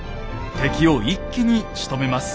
敵を一気にしとめます。